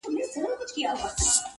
ښايستو نجونو به گرځول جامونه!!